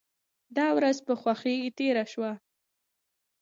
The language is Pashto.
دا ورځ په خوښۍ تیره شوه.